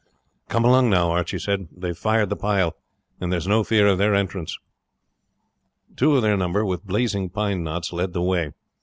"Come along now," Archie said; "they have fired the pile, and there is no fear of their entrance." Two of their number, with blazing pine knots, led the way.